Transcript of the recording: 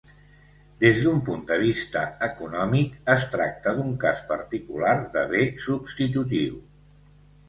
Des d'un punt de vista econòmic es tracta d'un cas particular de bé substitutiu.